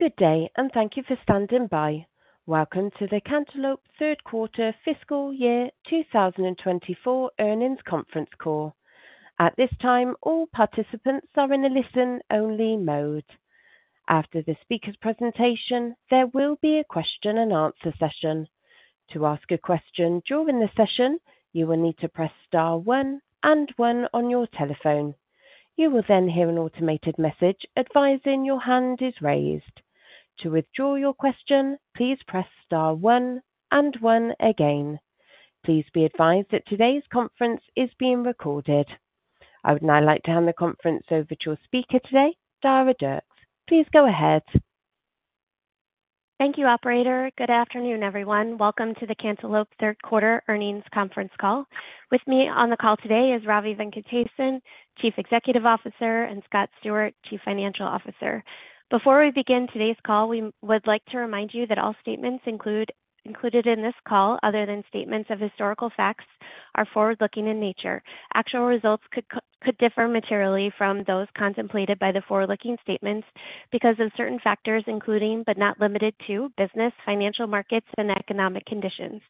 Good day, and thank you for standing by. Welcome to the Cantaloupe Third Quarter Fiscal Year 2024 Earnings Conference Call. At this time, all participants are in a listen-only mode. After the speaker's presentation, there will be a question-and-answer session. To ask a question during the session, you will need to press star one and one on your telephone. You will then hear an automated message advising your hand is raised. To withdraw your question, please press star one and one again. Please be advised that today's conference is being recorded. I would now like to hand the conference over to our speaker today, Dara Dierks. Please go ahead. Thank you, operator. Good afternoon, everyone. Welcome to the Cantaloupe Third Quarter Earnings Conference Call. With me on the call today is Ravi Venkatesan, Chief Executive Officer, and Scott Stewart, Chief Financial Officer. Before we begin today's call, we would like to remind you that all statements included in this call, other than statements of historical facts, are forward-looking in nature. Actual results could differ materially from those contemplated by the forward-looking statements because of certain factors, including, but not limited to, business, financial markets, and economic conditions.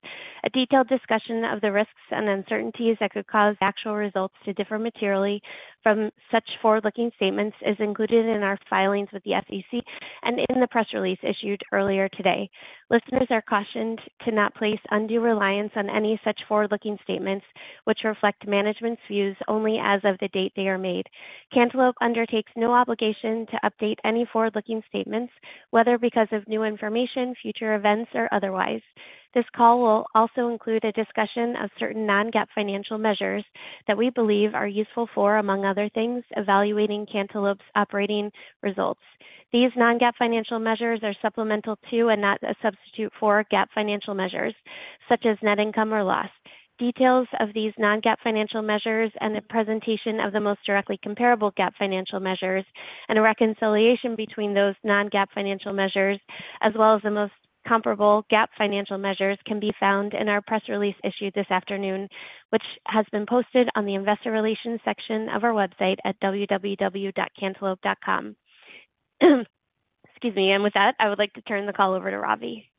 A detailed discussion of the risks and uncertainties that could cause actual results to differ materially from such forward-looking statements is included in our filings with the SEC and in the press release issued earlier today. Listeners are cautioned to not place undue reliance on any such forward-looking statements, which reflect management's views only as of the date they are made. Cantaloupe undertakes no obligation to update any forward-looking statements, whether because of new information, future events, or otherwise. This call will also include a discussion of certain non-GAAP financial measures that we believe are useful for, among other things, evaluating Cantaloupe's operating results. These non-GAAP financial measures are supplemental to and not a substitute for GAAP financial measures, such as net income or loss. Details of these non-GAAP financial measures and the presentation of the most directly comparable GAAP financial measures and a reconciliation between those non-GAAP financial measures, as well as the most comparable GAAP financial measures, can be found in our press release issued this afternoon, which has been posted on the investor relations section of our website at www.cantaloupe.com. Excuse me. And with that, I would like to turn the call over to Ravi.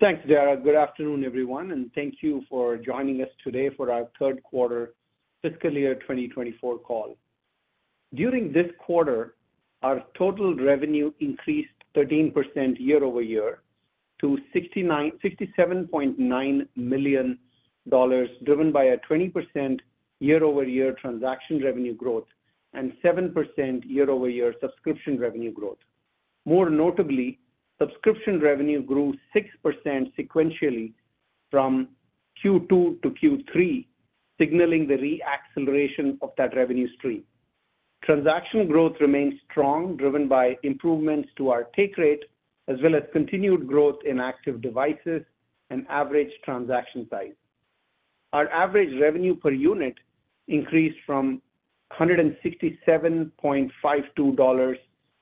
Thanks, Dara. Good afternoon, everyone. Thank you for joining us today for our third quarter fiscal year 2024 call. During this quarter, our total revenue increased 13% year-over-year to $67.9 million, driven by a 20% year-over-year transaction revenue growth and 7% year-over-year subscription revenue growth. More notably, subscription revenue grew 6% sequentially from Q2 to Q3, signaling the re-acceleration of that revenue stream. Transaction growth remained strong, driven by improvements to our take rate, as well as continued growth in active devices and average transaction size. Our average revenue per unit increased from $167.52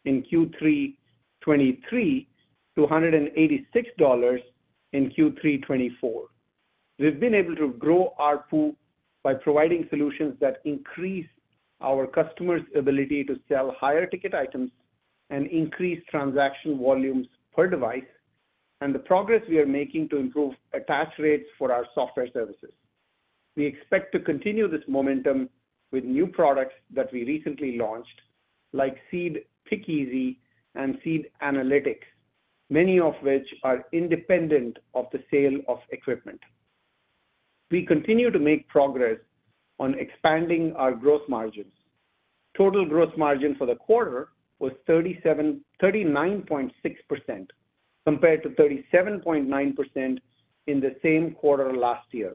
in Q3 2023 to $186.00 in Q3 2024. We've been able to grow ARPU by providing solutions that increase our customers' ability to sell higher-ticket items and increase transaction volumes per device, and the progress we are making to improve attach rates for our software services. We expect to continue this momentum with new products that we recently launched, like Seed PickEasy and Seed Analytics, many of which are independent of the sale of equipment. We continue to make progress on expanding our gross margins. Total gross margin for the quarter was 39.6%, compared to 37.9% in the same quarter last year.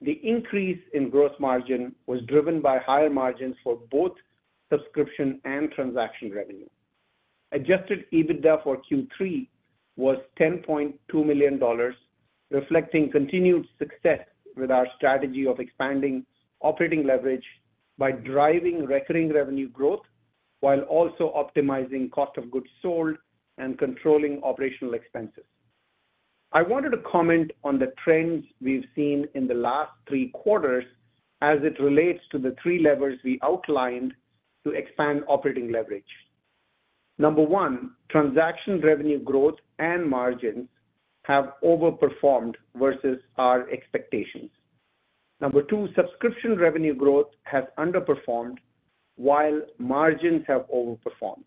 The increase in gross margin was driven by higher margins for both subscription and transaction revenue. Adjusted EBITDA for Q3 was $10.2 million, reflecting continued success with our strategy of expanding operating leverage by driving recurring revenue growth while also optimizing cost of goods sold and controlling operational expenses. I wanted to comment on the trends we've seen in the last three quarters as it relates to the three levers we outlined to expand operating leverage. Number one, transaction revenue growth and margins have overperformed versus our expectations. Number two, subscription revenue growth has underperformed, while margins have overperformed.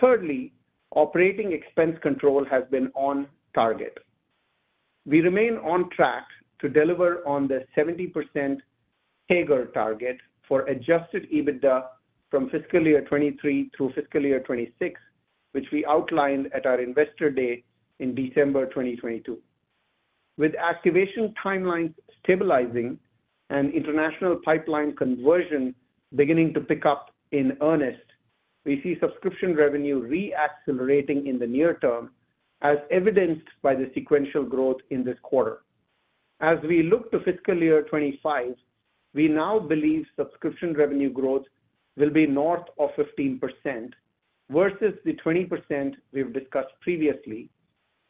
Thirdly, operating expense control has been on target. We remain on track to deliver on the 70% CAGR target for adjusted EBITDA from fiscal year 2023 through fiscal year 2026, which we outlined at our Investor Day in December 2022. With activation timelines stabilizing and international pipeline conversion beginning to pick up in earnest, we see subscription revenue re-accelerating in the near term, as evidenced by the sequential growth in this quarter. As we look to fiscal year 2025, we now believe subscription revenue growth will be north of 15% versus the 20% we've discussed previously,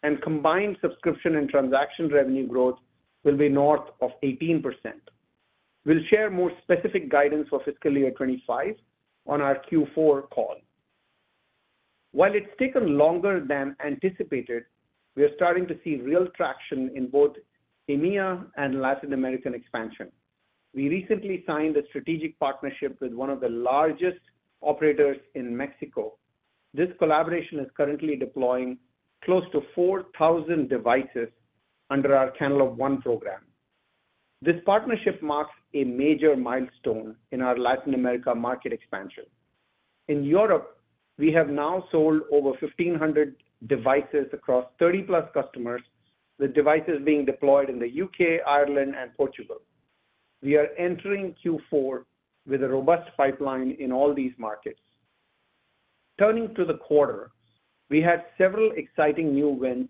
and combined subscription and transaction revenue growth will be north of 18%. We'll share more specific guidance for fiscal year 2025 on our Q4 call. While it's taken longer than anticipated, we are starting to see real traction in both EMEA and Latin American expansion. We recently signed a strategic partnership with one of the largest operators in Mexico. This collaboration is currently deploying close to 4,000 devices under our Cantaloupe One program. This partnership marks a major milestone in our Latin America market expansion. In Europe, we have now sold over 1,500 devices across 30-plus customers, with devices being deployed in the U.K., Ireland, and Portugal. We are entering Q4 with a robust pipeline in all these markets. Turning to the quarter, we had several exciting new wins,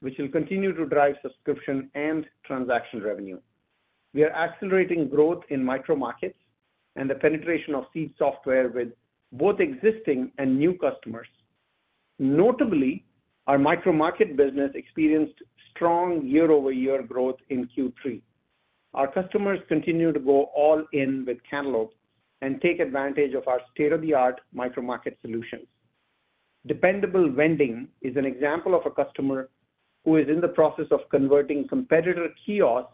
which will continue to drive subscription and transaction revenue. We are accelerating growth in micromarkets and the penetration of seed software with both existing and new customers. Notably, our micromarket business experienced strong year-over-year growth in Q3. Our customers continue to go all in with Cantaloupe and take advantage of our state-of-the-art micromarket solutions. Dependable Vending is an example of a customer who is in the process of converting competitor kiosks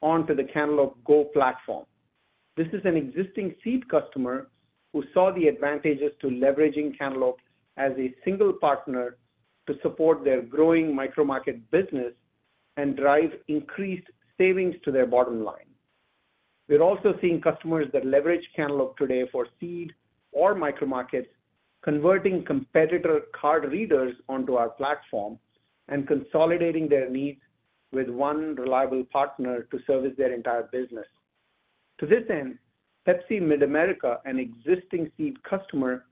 onto the Cantaloupe Go platform. This is an existing Seed customer who saw the advantages to leveraging Cantaloupe as a single partner to support their growing micromarket business and drive increased savings to their bottom line. We're also seeing customers that leverage Cantaloupe today for Seed or micromarkets converting competitor card readers onto our platform and consolidating their needs with one reliable partner to service their entire business. To this end, Pepsi Mid-America, an existing Seed customer,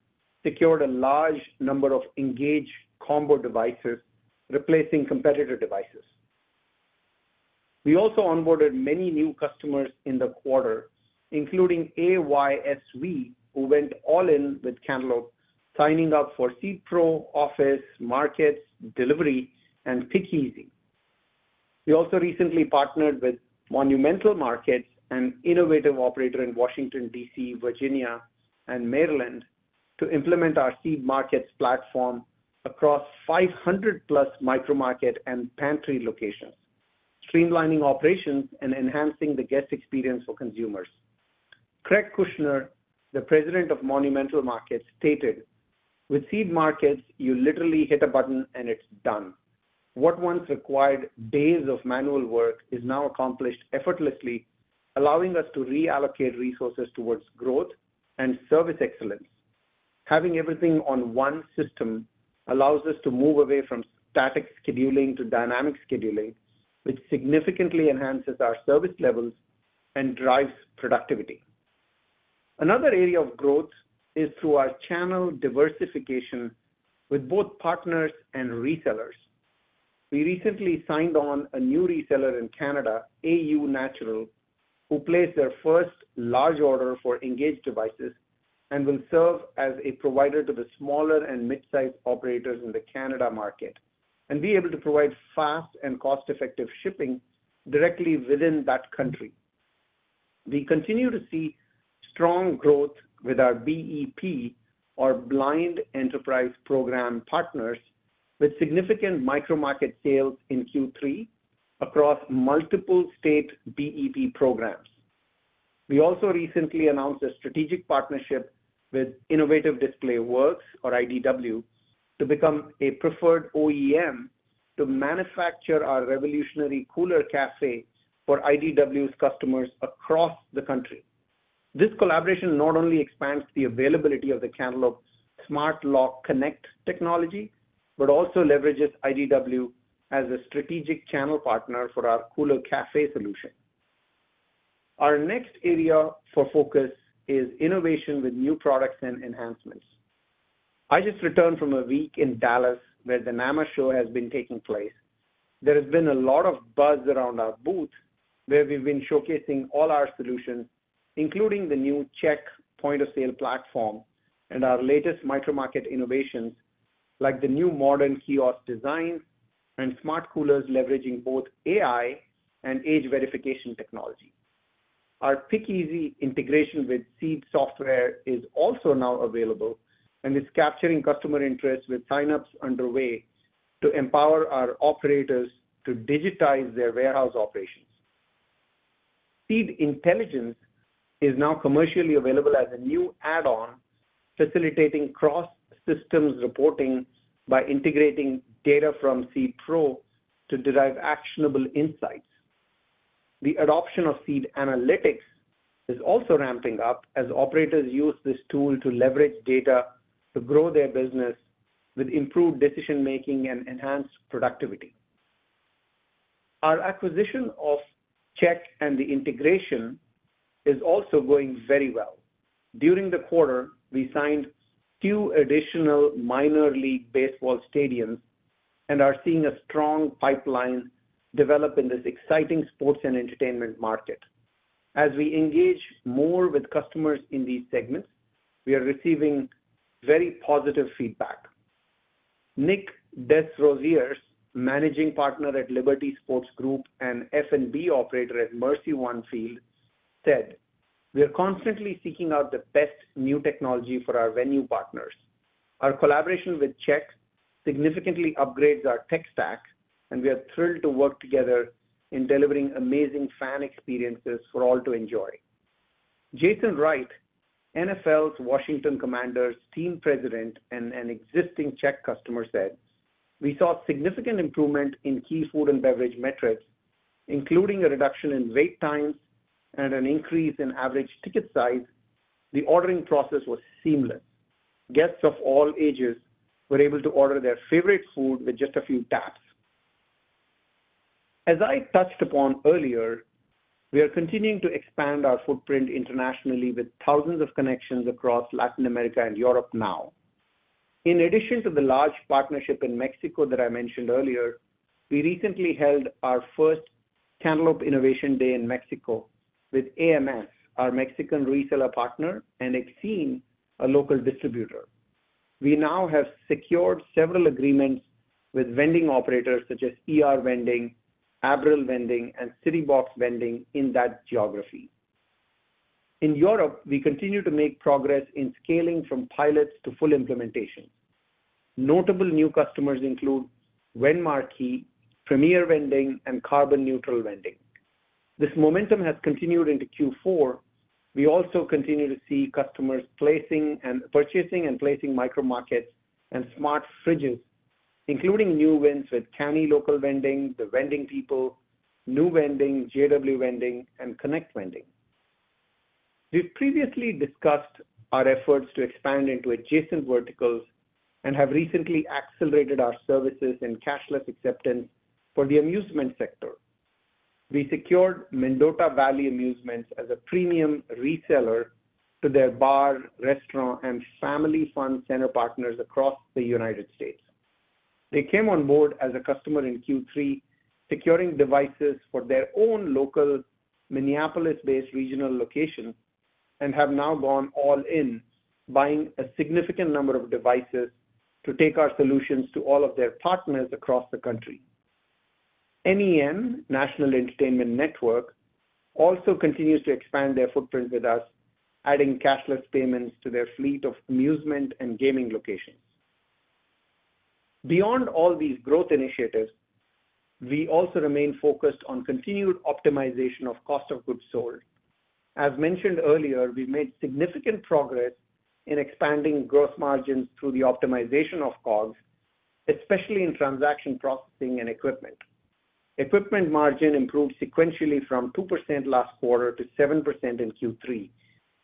secured a large number of Engage Combo devices, replacing competitor devices. We also onboarded many new customers in the quarter, including AYS Vending, who went all in with Cantaloupe, signing up for Seed Pro, Seed Office, Seed Markets, Seed Delivery, and Seed PickEasy. We also recently partnered with Monumental Markets, an innovative operator in Washington, D.C., Virginia, and Maryland, to implement our Seed Markets platform across 500+ micromarket and pantry locations, streamlining operations and enhancing the guest experience for consumers. Craig Kushner, the president of Monumental Markets, stated, "With Seed Markets, you literally hit a button, and it's done. What once required days of manual work is now accomplished effortlessly, allowing us to reallocate resources towards growth and service excellence. Having everything on one system allows us to move away from static scheduling to dynamic scheduling, which significantly enhances our service levels and drives productivity." Another area of growth is through our channel diversification with both partners and resellers. We recently signed on a new reseller in Canada, Au Naturel, who placed their first large order for Engage devices and will serve as a provider to the smaller and midsize operators in the Canada market and be able to provide fast and cost-effective shipping directly within that country. We continue to see strong growth with our BEP, or Blind Enterprise Program, partners with significant micromarket sales in Q3 across multiple state BEP programs. We also recently announced a strategic partnership with Innovative Display Works, or IDW, to become a preferred OEM to manufacture our revolutionary Cooler Café for IDW's customers across the country. This collaboration not only expands the availability of the Cantaloupe Smart Lock Connect technology but also leverages IDW as a strategic channel partner for our Cooler Café solution. Our next area for focus is innovation with new products and enhancements. I just returned from a week in Dallas, where the NAMA show has been taking place. There has been a lot of buzz around our booth, where we've been showcasing all our solutions, including the new CHEQ point-of-sale platform and our latest micromarket innovations, like the new modern kiosk designs and smart coolers leveraging both AI and age verification technology. Our Seed PickEasy integration with Seed software is also now available, and it's capturing customer interest with sign-ups underway to empower our operators to digitize their warehouse operations. Seed Intelligence is now commercially available as a new add-on, facilitating cross-systems reporting by integrating data from Seed Pro to derive actionable insights. The adoption of Seed Analytics is also ramping up, as operators use this tool to leverage data to grow their business with improved decision-making and enhanced productivity. Our acquisition of CHEQ and the integration is also going very well. During the quarter, we signed two additional Minor League Baseball stadiums and are seeing a strong pipeline develop in this exciting sports and entertainment market. As we engage more with customers in these segments, we are receiving very positive feedback. Nick Desrosiers, Managing Partner at Liberty Sports Group and F&B Operator at MercyOne Field, said, "We are constantly seeking out the best new technology for our venue partners. Our collaboration with CHEQ significantly upgrades our tech stack, and we are thrilled to work together in delivering amazing fan experiences for all to enjoy." Jason Wright, NFL's Washington Commanders Team President and an existing CHEQ customer, said, "We saw significant improvement in key food and beverage metrics, including a reduction in wait times and an increase in average ticket size. The ordering process was seamless. Guests of all ages were able to order their favorite food with just a few taps." As I touched upon earlier, we are continuing to expand our footprint internationally with thousands of connections across Latin America and Europe now. In addition to the large partnership in Mexico that I mentioned earlier, we recently held our first Cantaloupe Innovation Day in Mexico with AMS, our Mexican reseller partner, and Exim, a local distributor. We now have secured several agreements with vending operators such as Vending, Abril Vending, and City Box Vending in that geography. In Europe, we continue to make progress in scaling from pilots to full implementations. Notable new customers include Vendmarque, Premier Vending, and Carbon Neutral Vending. This momentum has continued into Q4. We also continue to see customers purchasing and placing micromarkets and smart fridges, including new wins with Canny Local Vending, The Vending People, Nu Vending, JW Vending, and Connect Vending. We've previously discussed our efforts to expand into adjacent verticals and have recently accelerated our services and cashless acceptance for the amusement sector. We secured Mendota Valley Amusements as a premium reseller to their bar, restaurant, and family fun center partners across the United States. They came on board as a customer in Q3, securing devices for their own local Minneapolis-based regional location, and have now gone all in, buying a significant number of devices to take our solutions to all of their partners across the country. NEN, National Entertainment Network, also continues to expand their footprint with us, adding cashless payments to their fleet of amusement and gaming locations. Beyond all these growth initiatives, we also remain focused on continued optimization of cost of goods sold. As mentioned earlier, we've made significant progress in expanding gross margins through the optimization of COGS, especially in transaction processing and equipment. Equipment margin improved sequentially from 2% last quarter to 7% in Q3,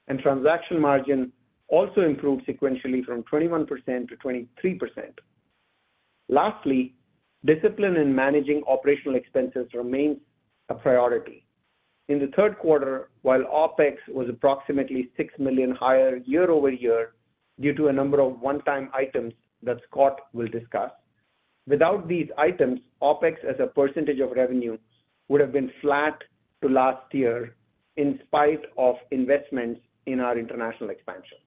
and transaction margin also improved sequentially from 21%-23%. Lastly, discipline in managing operational expenses remains a priority. In the third quarter, while OpEx was approximately $6 million higher year-over-year due to a number of one-time items that Scott will discuss, without these items, OpEx as a percentage of revenue would have been flat to last year in spite of investments in our international expansion.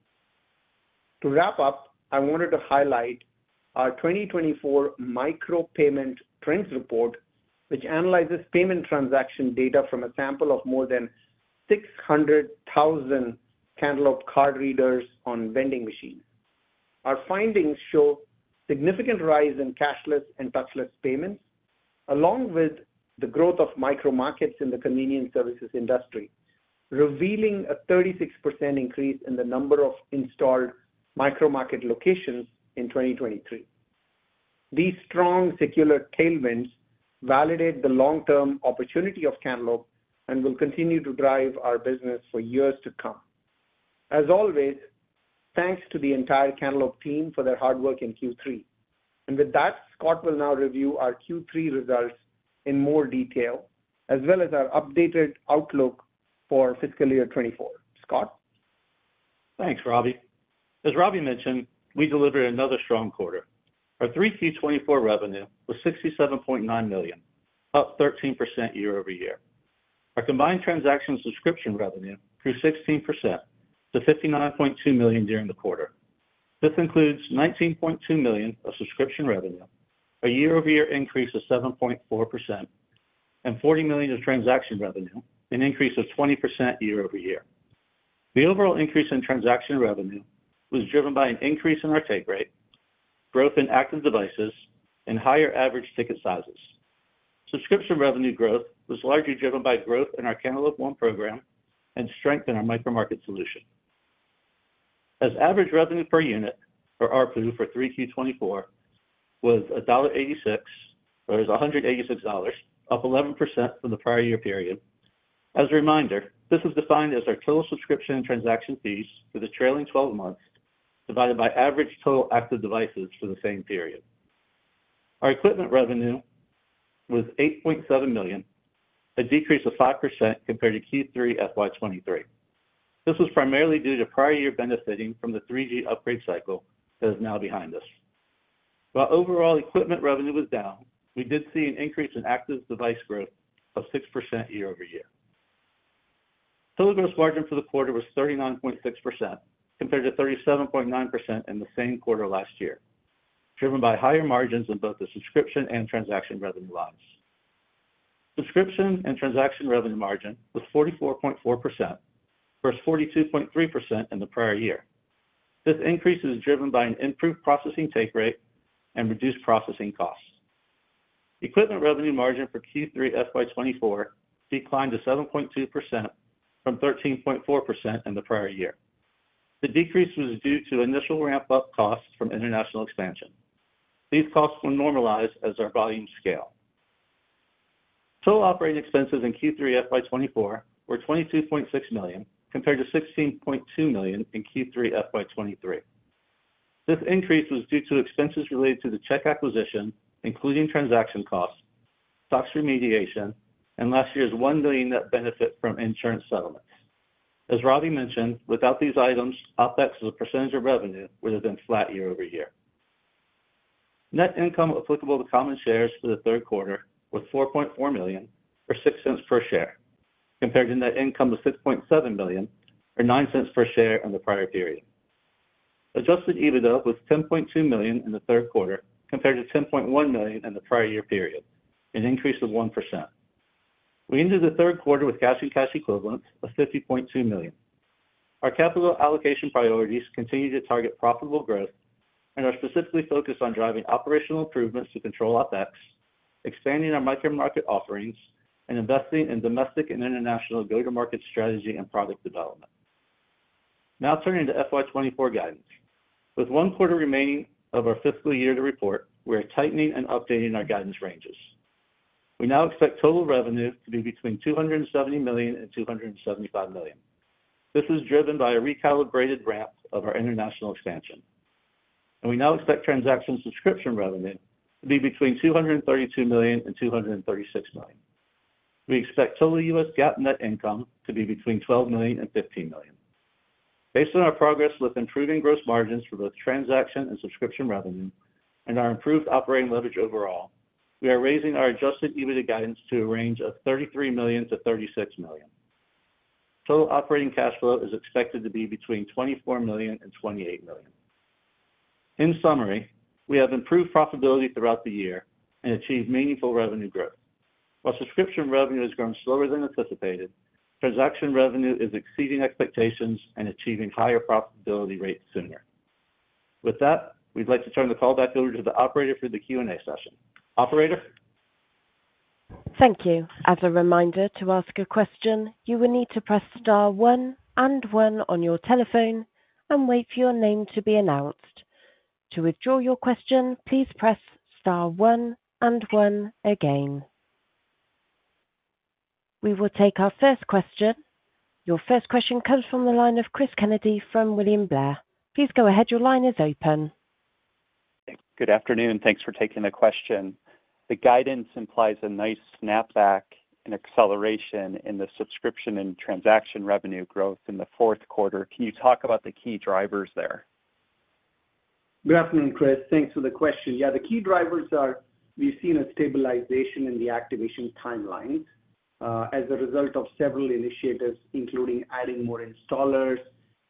To wrap up, I wanted to highlight our 2024 micropayment trends report, which analyzes payment transaction data from a sample of more than 600,000 Cantaloupe card readers on vending machines. Our findings show significant rise in cashless and touchless payments, along with the growth of micromarkets in the convenience services industry, revealing a 36% increase in the number of installed micromarket locations in 2023. These strong secular tailwinds validate the long-term opportunity of Cantaloupe and will continue to drive our business for years to come. As always, thanks to the entire Cantaloupe team for their hard work in Q3. And with that, Scott will now review our Q3 results in more detail, as well as our updated outlook for fiscal year 2024. Scott? Thanks, Ravi. As Ravi mentioned, we delivered another strong quarter. Our 3Q 2024 revenue was $67.9 million, up 13% year-over-year. Our combined transaction subscription revenue grew 16% to $59.2 million during the quarter. This includes $19.2 million of subscription revenue, a year-over-year increase of 7.4%, and $40 million of transaction revenue, an increase of 20% year-over-year. The overall increase in transaction revenue was driven by an increase in our take rate, growth in active devices, and higher average ticket sizes. Subscription revenue growth was largely driven by growth in our Cantaloupe One program and strength in our micromarket solution. As average revenue per unit, or RPU for 3Q 2024, was $1.86, or it was $186, up 11% from the prior year period. As a reminder, this is defined as our total subscription and transaction fees for the trailing 12 months divided by average total active devices for the same period. Our equipment revenue was $8.7 million, a decrease of 5% compared to Q3 FY 2023. This was primarily due to prior year benefiting from the 3G upgrade cycle that is now behind us. While overall equipment revenue was down, we did see an increase in active device growth of 6% year-over-year. Total gross margin for the quarter was 39.6% compared to 37.9% in the same quarter last year, driven by higher margins in both the subscription and transaction revenue lines. Subscription and transaction revenue margin was 44.4% versus 42.3% in the prior year. This increase is driven by an improved processing take rate and reduced processing costs. Equipment revenue margin for Q3 FY 2024 declined to 7.2% from 13.4% in the prior year. The decrease was due to initial ramp-up costs from international expansion. These costs were normalized as our volume scaled. Total operating expenses in Q3 FY 2024 were $22.6 million compared to $16.2 million in Q3 FY 2023. This increase was due to expenses related to the CHEQ acquisition, including transaction costs, SOX remediation, and last year's $1 billion net benefit from insurance settlements. As Ravi mentioned, without these items, OpEx as a percentage of revenue would have been flat year-over-year. Net income applicable to common shares for the third quarter was $4.4 million, or $0.06 per share, compared to net income of $6.7 million, or $0.09 per share in the prior period. Adjusted EBITDA was $10.2 million in the third quarter compared to $10.1 million in the prior year period, an increase of 1%. We ended the third quarter with cash and cash equivalents of $50.2 million. Our capital allocation priorities continue to target profitable growth, and are specifically focused on driving operational improvements to control OpEx, expanding our micromarket offerings, and investing in domestic and international go-to-market strategy and product development. Now turning to FY 2024 guidance. With one quarter remaining of our fiscal year to report, we are tightening and updating our guidance ranges. We now expect total revenue to be between $270 million and $275 million. This is driven by a recalibrated ramp of our international expansion. We now expect transaction subscription revenue to be between $232 million and $236 million. We expect total U.S. GAAP net income to be between $12 million and $15 million. Based on our progress with improving gross margins for both transaction and subscription revenue and our improved operating leverage overall, we are raising our Adjusted EBITDA guidance to a range of $33 million-$36 million. Total operating cash flow is expected to be between $24 million-$28 million. In summary, we have improved profitability throughout the year and achieved meaningful revenue growth. While subscription revenue has grown slower than anticipated, transaction revenue is exceeding expectations and achieving higher profitability rates sooner. With that, we'd like to turn the call over to the operator for the Q&A session. Operator? Thank you. As a reminder to ask a question, you will need to press star one and one on your telephone and wait for your name to be announced. To withdraw your question, please press star one and one again. We will take our first question. Your first question comes from the line of Cris Kennedy from William Blair. Please go ahead. Your line is open. Good afternoon. Thanks for taking the question. The guidance implies a nice snapback and acceleration in the subscription and transaction revenue growth in the fourth quarter. Can you talk about the key drivers there? Good afternoon, Cris. Thanks for the question. Yeah, the key drivers are we've seen a stabilization in the activation timelines as a result of several initiatives, including adding more installers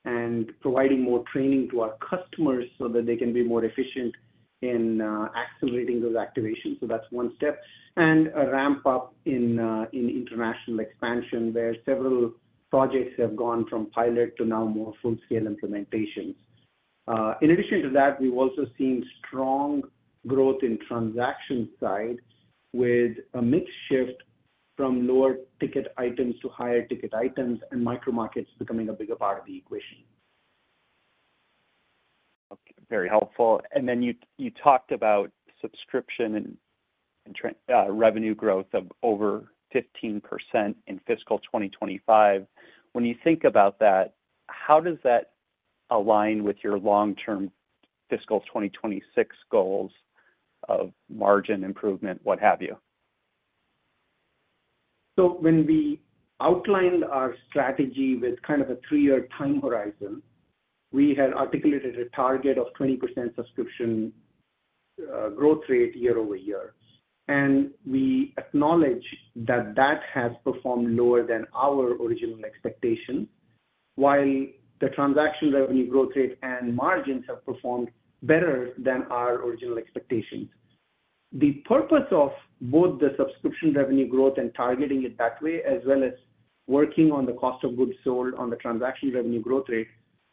and providing more training to our customers so that they can be more efficient in accelerating those activations. So that's one step. And a ramp-up in international expansion where several projects have gone from pilot to now more full-scale implementations. In addition to that, we've also seen strong growth in transaction side with a mixed shift from lower ticket items to higher ticket items and micromarkets becoming a bigger part of the equation. Very helpful. Then you talked about subscription and revenue growth of over 15% in fiscal 2025. When you think about that, how does that align with your long-term fiscal 2026 goals of margin improvement, what have you? So when we outlined our strategy with kind of a three-year time horizon, we had articulated a target of 20% subscription growth rate year-over-year. We acknowledge that that has performed lower than our original expectations, while the transaction revenue growth rate and margins have performed better than our original expectations. The purpose of both the subscription revenue growth and targeting it that way, as well as working on the cost of goods sold on the transaction revenue growth rate,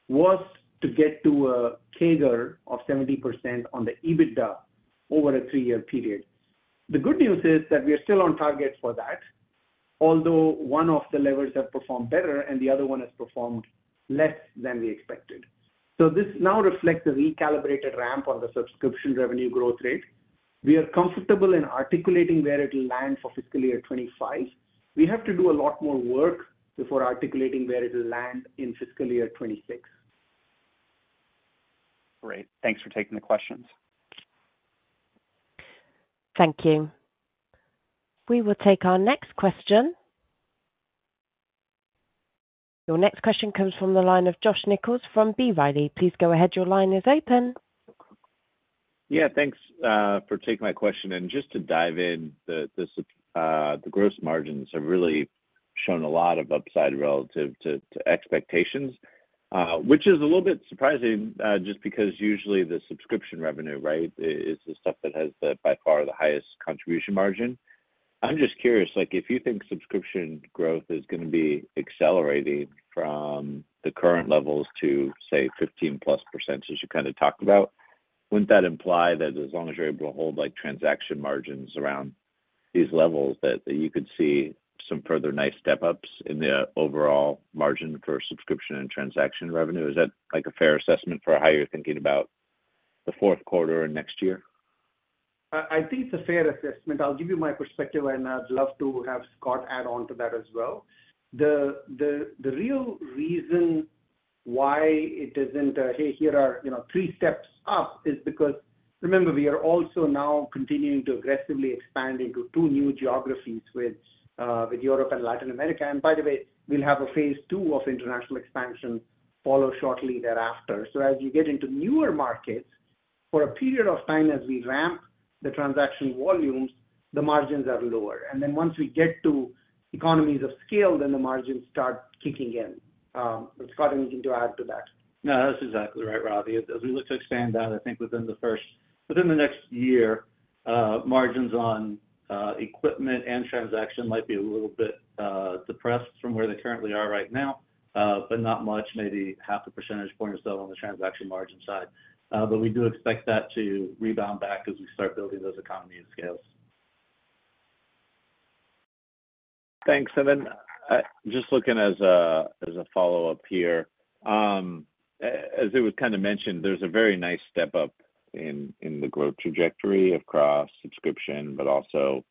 was to get to a CAGR of 70% on the EBITDA over a three-year period. The good news is that we are still on target for that, although one of the levers has performed better and the other one has performed less than we expected. So this now reflects a recalibrated ramp on the subscription revenue growth rate. We are comfortable in articulating where it'll land for fiscal year 2025. We have to do a lot more work before articulating where it'll land in fiscal year 2026. Great. Thanks for taking the questions. Thank you. We will take our next question. Your next question comes from the line of Josh Nichols from B. Riley. Please go ahead. Your line is open. Yeah, thanks for taking my question. Just to dive in, the gross margins have really shown a lot of upside relative to expectations, which is a little bit surprising just because usually the subscription revenue, right, is the stuff that has by far the highest contribution margin. I'm just curious, if you think subscription growth is going to be accelerating from the current levels to, say, 15%+, as you kind of talked about, wouldn't that imply that as long as you're able to hold transaction margins around these levels, that you could see some further nice step-ups in the overall margin for subscription and transaction revenue? Is that a fair assessment for how you're thinking about the fourth quarter and next year? I think it's a fair assessment. I'll give you my perspective, and I'd love to have Scott add on to that as well. The real reason why it isn't a, "Hey, here are three steps up," is because remember, we are also now continuing to aggressively expand into two new geographies with Europe and Latin America. And by the way, we'll have a phase II of international expansion follow shortly thereafter. So as you get into newer markets, for a period of time, as we ramp the transaction volumes, the margins are lower. And then once we get to economies of scale, then the margins start kicking in. Scott, anything to add to that? No, that's exactly right, Ravi. As we look to expand that, I think within the next year, margins on equipment and transaction might be a little bit depressed from where they currently are right now, but not much, maybe half a percentage point or so on the transaction margin side. But we do expect that to rebound back as we start building those economies of scale. Thanks. And then just looking as a follow-up here, as it was kind of mentioned, there's a very nice step-up in the growth trajectory across subscription, but also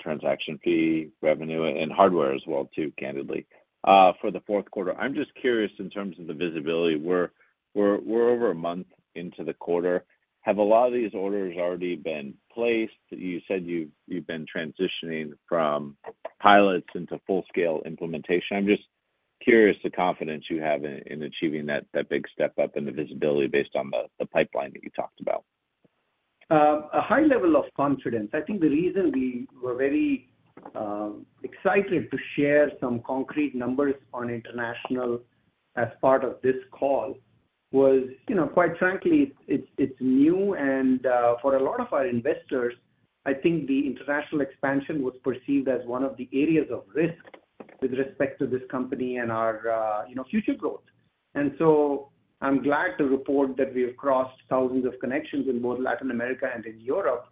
transaction fee revenue and hardware as well too, candidly, for the fourth quarter. I'm just curious in terms of the visibility. We're over a month into the quarter. Have a lot of these orders already been placed? You said you've been transitioning from pilots into full-scale implementation. I'm just curious the confidence you have in achieving that big step up and the visibility based on the pipeline that you talked about. A high level of confidence. I think the reason we were very excited to share some concrete numbers on international as part of this call was, quite frankly, it's new. And for a lot of our investors, I think the international expansion was perceived as one of the areas of risk with respect to this company and our future growth. And so I'm glad to report that we have crossed thousands of connections in both Latin America and in Europe.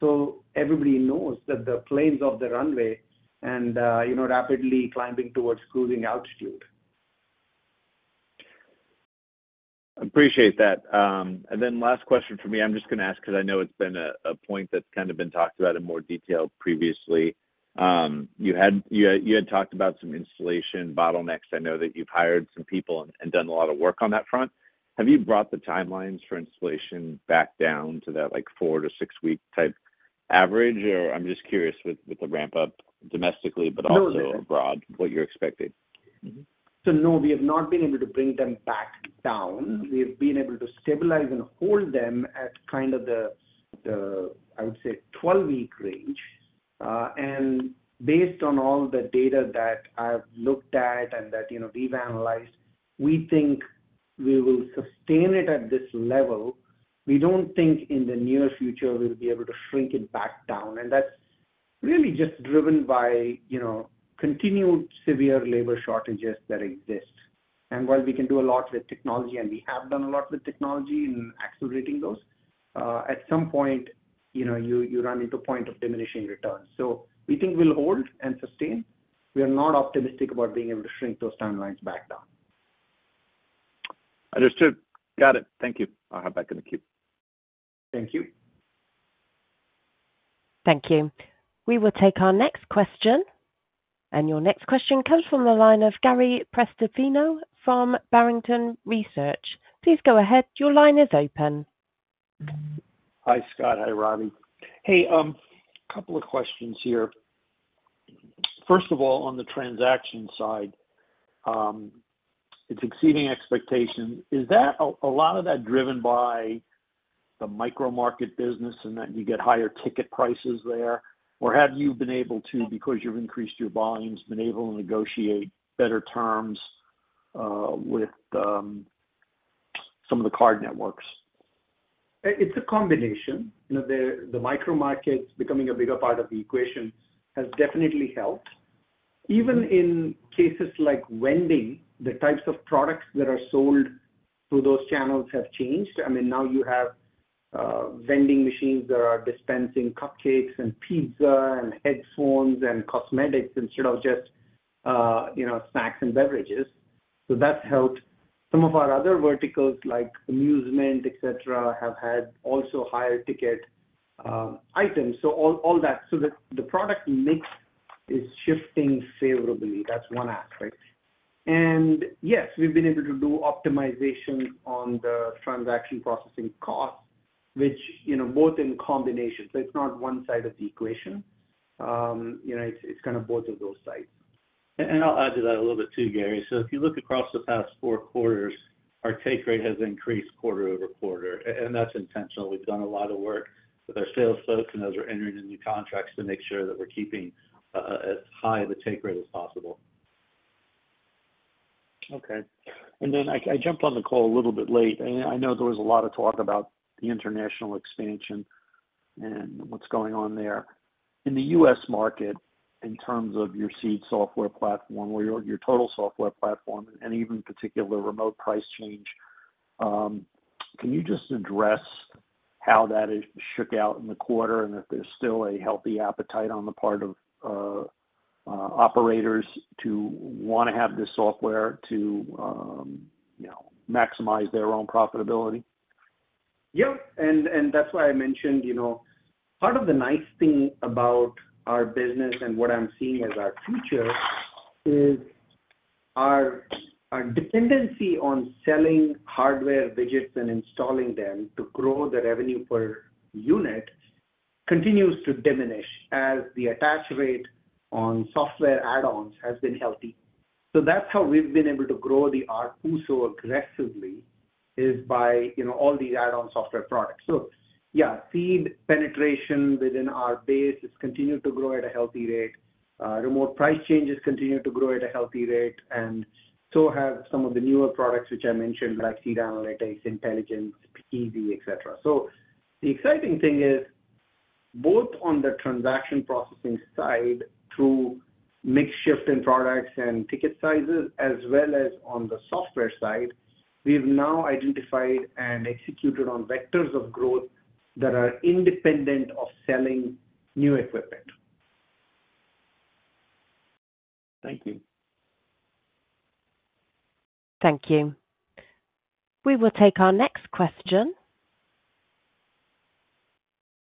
So everybody knows that the planes off the runway and rapidly climbing towards cruising altitude. Appreciate that. And then last question for me. I'm just going to ask because I know it's been a point that's kind of been talked about in more detail previously. You had talked about some installation bottlenecks. I know that you've hired some people and done a lot of work on that front. Have you brought the timelines for installation back down to that four-six-week type average? Or I'm just curious with the ramp-up domestically, but also abroad, what you're expecting? So no, we have not been able to bring them back down. We have been able to stabilize and hold them at kind of the, I would say, 12-week range. And based on all the data that I've looked at and that we've analyzed, we think we will sustain it at this level. We don't think in the near future we'll be able to shrink it back down. And that's really just driven by continued severe labor shortages that exist. And while we can do a lot with technology and we have done a lot with technology in accelerating those, at some point, you run into a point of diminishing return. So we think we'll hold and sustain. We are not optimistic about being able to shrink those timelines back down. Understood. Got it. Thank you. I'll have that good a cube. Thank you. Thank you. We will take our next question. Your next question comes from the line of Gary Prestopino from Barrington Research. Please go ahead. Your line is open. Hi, Scott. Hi, Ravi. Hey, a couple of questions here. First of all, on the transaction side, it's exceeding expectations. Is a lot of that driven by the micromarket business and that you get higher ticket prices there? Or have you been able to, because you've increased your volumes, been able to negotiate better terms with some of the card networks? It's a combination. The micromarkets becoming a bigger part of the equation has definitely helped. Even in cases like vending, the types of products that are sold through those channels have changed. I mean, now you have vending machines that are dispensing cupcakes and pizza and headphones and cosmetics instead of just snacks and beverages. So that's helped. Some of our other verticals like amusement, etc., have had also higher ticket items. So all that. So the product mix is shifting favorably. That's one aspect. And yes, we've been able to do optimizations on the transaction processing costs, both in combination. So it's not one side of the equation. It's kind of both of those sides. And I'll add to that a little bit too, Gary. So if you look across the past four quarters, our take rate has increased quarter-over-quarter. And that's intentional. We've done a lot of work with our sales folks, and as we're entering into new contracts, to make sure that we're keeping as high of a take rate as possible. Okay. And then I jumped on the call a little bit late. I know there was a lot of talk about the international expansion and what's going on there. In the U.S. market, in terms of your Seed software platform or your total software platform and even particular remote price change, can you just address how that shook out in the quarter and if there's still a healthy appetite on the part of operators to want to have this software to maximize their own profitability? Yep. And that's why I mentioned part of the nice thing about our business and what I'm seeing as our future is our dependency on selling hardware widgets and installing them to grow the revenue per unit continues to diminish as the attach rate on software add-ons has been healthy. So that's how we've been able to grow our PUSO aggressively, is by all these add-on software products. So yeah, Seed penetration within our base has continued to grow at a healthy rate. Remote price change has continued to grow at a healthy rate, and so have some of the newer products, which I mentioned, like Seed Analytics, Intelligence, PEV, etc. So the exciting thing is both on the transaction processing side through mixed shift in products and ticket sizes, as well as on the software side, we've now identified and executed on vectors of growth that are independent of selling new equipment. Thank you. Thank you. We will take our next question.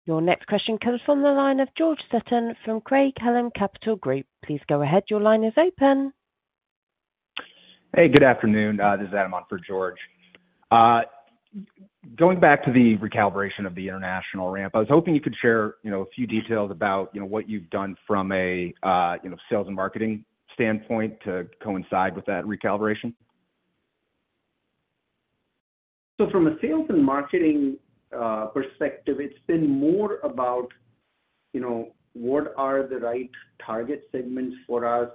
Your next question comes from the line of George Sutton from Craig-Hallum Capital Group. Please go ahead. Your line is open. Hey, good afternoon. This is Adam on for George. Going back to the recalibration of the international ramp, I was hoping you could share a few details about what you've done from a sales and marketing standpoint to coincide with that recalibration. So from a sales and marketing perspective, it's been more about what are the right target segments for us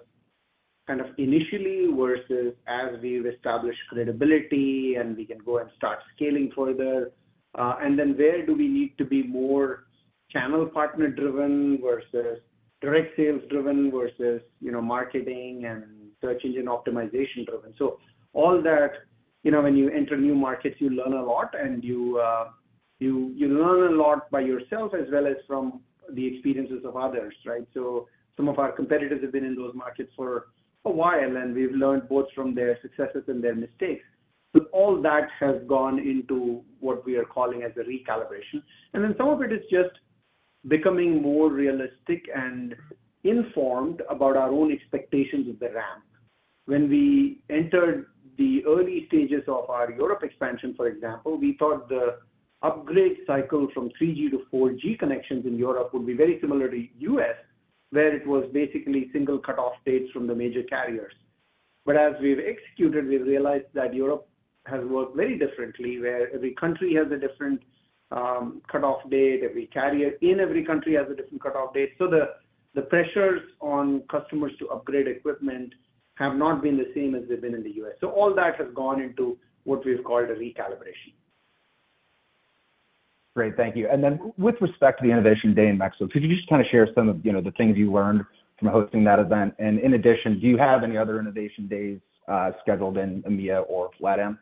kind of initially versus as we've established credibility and we can go and start scaling further. And then where do we need to be more channel partner-driven versus direct sales-driven versus marketing and search engine optimization-driven? So all that, when you enter new markets, you learn a lot, and you learn a lot by yourself as well as from the experiences of others, right? So some of our competitors have been in those markets for a while, and we've learned both from their successes and their mistakes. But all that has gone into what we are calling as a recalibration. And then some of it is just becoming more realistic and informed about our own expectations of the ramp. When we entered the early stages of our Europe expansion, for example, we thought the upgrade cycle from 3G to 4G connections in Europe would be very similar to U.S., where it was basically single cutoff dates from the major carriers. But as we've executed, we've realized that Europe has worked very differently, where every country has a different cutoff date. So the pressures on customers to upgrade equipment have not been the same as they've been in the U.S. So all that has gone into what we've called a recalibration. Great. Thank you. And then with respect to the Innovation Day in Mexico, could you just kind of share some of the things you learned from hosting that event? And in addition, do you have any other Innovation Days scheduled in EMEA or LatAm?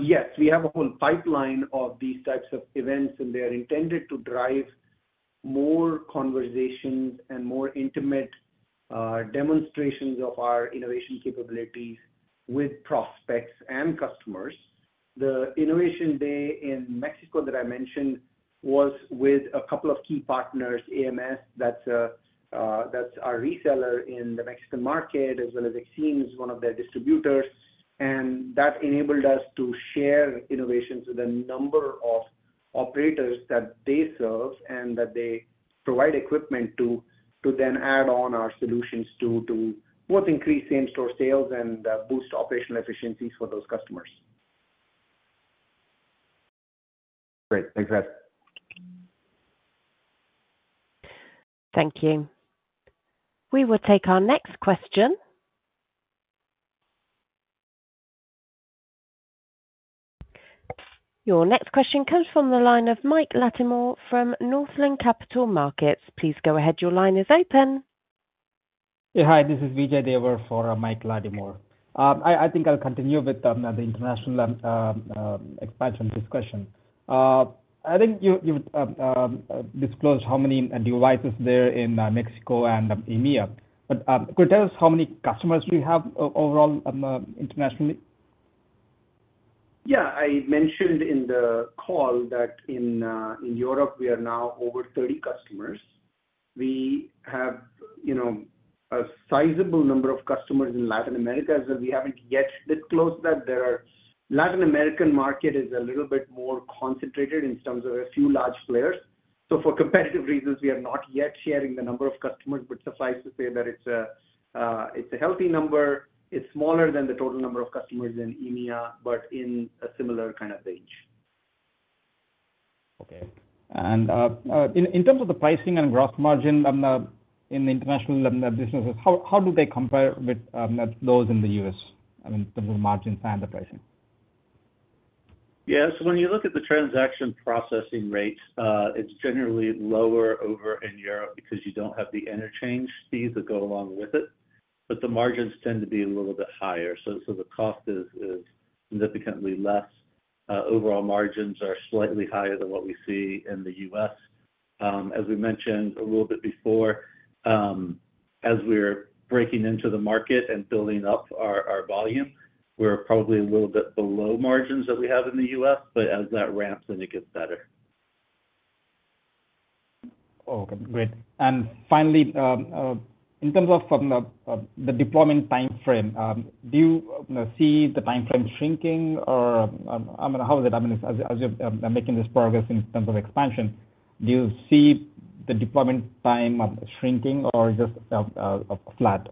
Yes, we have a whole pipeline of these types of events, and they are intended to drive more conversations and more intimate demonstrations of our innovation capabilities with prospects and customers. The Innovation Day in Mexico that I mentioned was with a couple of key partners. AMS, that's our reseller in the Mexican market, as well as Exim, is one of their distributors. That enabled us to share innovations with a number of operators that they serve and that they provide equipment to then add on our solutions to both increase in-store sales and boost operational efficiencies for those customers. Great. Thanks, Ravi. Thank you. We will take our next question. Your next question comes from the line of Mike Lattimore from Northland Capital Markets. Please go ahead. Your line is open. Yeah, hi. This is Vijay Dever for Mike Lattimore. I think I'll continue with the international expansion discussion. I think you've disclosed how many devices there in Mexico and EMEA. But could you tell us how many customers do you have overall internationally? Yeah. I mentioned in the call that in Europe, we are now over 30 customers. We have a sizable number of customers in Latin America, as well. We haven't yet disclosed that. The Latin American market is a little bit more concentrated in terms of a few large players. So for competitive reasons, we are not yet sharing the number of customers. But suffice to say that it's a healthy number. It's smaller than the total number of customers in EMEA, but in a similar kind of range. Okay. And in terms of the pricing and gross margin in the international businesses, how do they compare with those in the U.S. in terms of margins and the pricing? Yeah. So when you look at the transaction processing rate, it's generally lower over in Europe because you don't have the interchange fees that go along with it. But the margins tend to be a little bit higher. So the cost is significantly less. Overall margins are slightly higher than what we see in the U.S. As we mentioned a little bit before, as we're breaking into the market and building up our volume, we're probably a little bit below margins that we have in the U.S. But as that ramps, then it gets better. Okay. Great. Finally, in terms of the deployment timeframe, do you see the timeframe shrinking? Or how is it? I mean, as you're making this progress in terms of expansion, do you see the deployment time shrinking or just flat?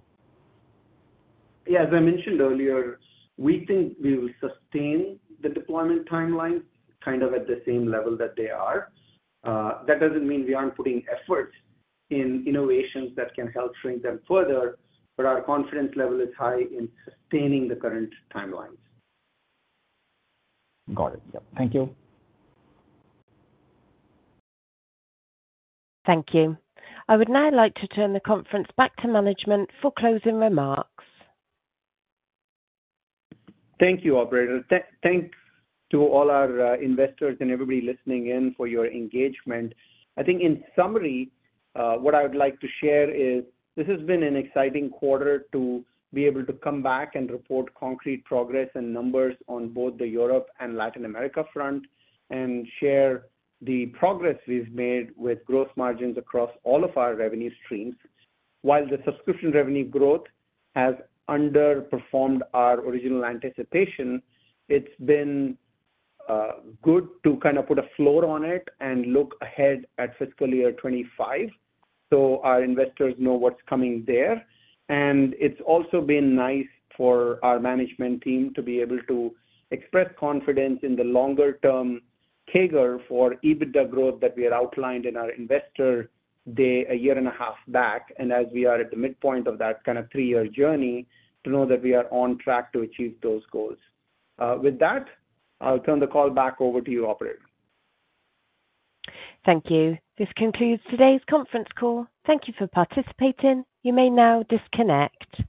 Yeah. As I mentioned earlier, we think we will sustain the deployment timelines kind of at the same level that they are. That doesn't mean we aren't putting efforts in innovations that can help shrink them further. But our confidence level is high in sustaining the current timelines. Got it. Yep. Thank you. Thank you. I would now like to turn the conference back to management for closing remarks. Thank you, operator. Thanks to all our investors and everybody listening in for your engagement. I think, in summary, what I would like to share is this has been an exciting quarter to be able to come back and report concrete progress and numbers on both the Europe and Latin America front and share the progress we've made with gross margins across all of our revenue streams. While the subscription revenue growth has underperformed our original anticipation, it's been good to kind of put a floor on it and look ahead at fiscal year 2025 so our investors know what's coming there. It's also been nice for our management team to be able to express confidence in the longer-term CAGR for EBITDA growth that we had outlined in our Investor Day a year and a half back. As we are at the midpoint of that kind of three-year journey, to know that we are on track to achieve those goals. With that, I'll turn the call back over to you, operator. Thank you. This concludes today's conference call. Thank you for participating. You may now disconnect.